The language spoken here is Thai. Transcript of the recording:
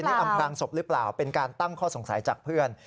นี่อำพลางศพหรือเปล่าเป็นการตั้งข้อสงสัยจากเพื่อน